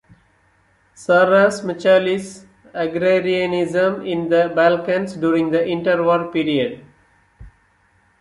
Sarras Michalis, Agrarianism in the Balkans during the Interwar Period.